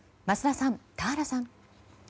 桝田さん、田原さん。